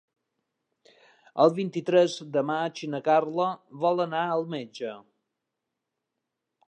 El vint-i-tres de maig na Carla vol anar al metge.